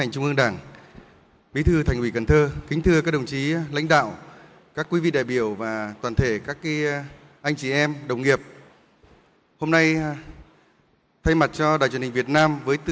công an nhân dân lần thứ một mươi ba